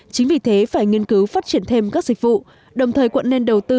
chính vì thế phải nghiên cứu phát triển thêm các dịch vụ đồng thời quận nên đầu tư